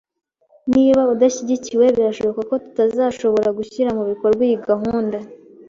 Niba udashyigikiwe, birashoboka ko tutazashobora gushyira mubikorwa iyi gahunda